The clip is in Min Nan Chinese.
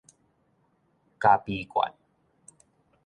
咖啡罐